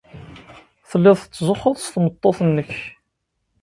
Telliḍ tettzuxxuḍ s tmeṭṭut-nnek.